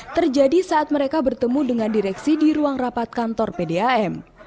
terjadi saat mereka bertemu dengan direksi di ruang rapat kantor pdam